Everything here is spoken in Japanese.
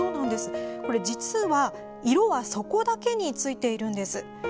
実は、色は底だけについているんです。